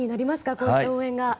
こういった応援が。